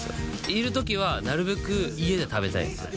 いれるときはなるべく家で食べたいんですよ